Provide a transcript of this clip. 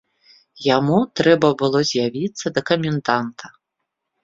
Яму трэба было з'явіцца да каменданта.